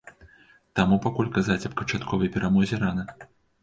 Таму пакуль казаць аб канчатковай перамозе рана.